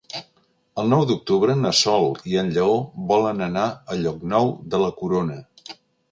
El nou d'octubre na Sol i en Lleó volen anar a Llocnou de la Corona.